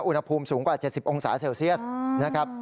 อุณหภูมิสูงกว่า๗๐องศาเซลเซียสนะครับ